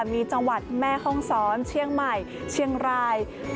มีจังหวัดแม่ห้องซ้อนเชียงใหม่เชียงราย